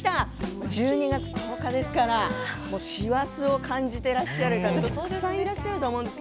もう１２月１０日ですから師走を感じていらっしゃる方たくさんいらっしゃると思うんです。